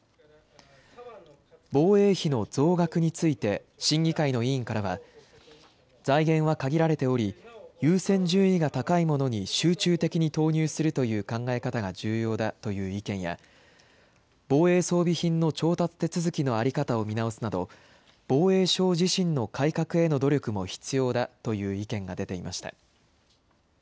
防衛費の増額について、審議会の委員からは、財源は限られており、優先順位が高いものに集中的に投入するという考え方が重要だという意見や、防衛装備品の調達手続きの在り方を見直すなど、防衛省自身の改革への努力も必要だという意見が出ていました。